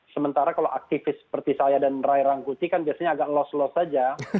sementara kalau aktivis seperti saya dan rai rangkuti kan biasanya agak loss loss saja